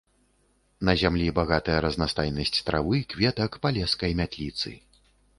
На зямлі багатая разнастайнасць травы, кветак, палескай мятліцы.